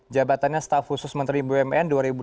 jabatannya staf khusus menteri bumn